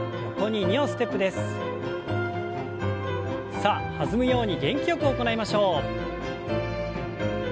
さあ弾むように元気よく行いましょう。